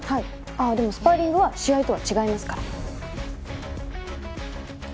あっでもスパーリングは試合とは違いますから。